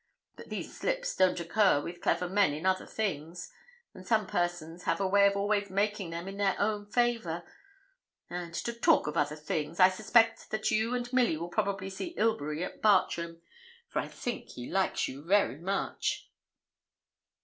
But these slips don't occur with clever men in other things; and some persons have a way of always making them in their own favour. And, to talk of other things, I suspect that you and Milly will probably see Ilbury at Bartram; for I think he likes you very much.'